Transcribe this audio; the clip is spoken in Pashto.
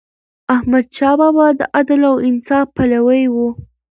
احمدشاه بابا د عدل او انصاف پلوی و.